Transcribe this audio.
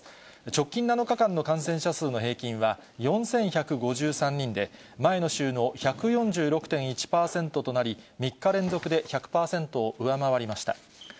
直近７日間の感染者数の平均は４１５３人で、前の週の１４６．１％となり、３日連続で１００％を上回りました。